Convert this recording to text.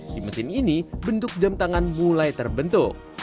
di mesin ini bentuk jemtangan mulai terbentuk